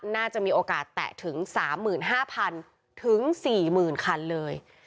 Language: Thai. น่าจะมีโอกาสแตะถึง๓๕๐๐๐ถึง๔๐๐๐คันเลย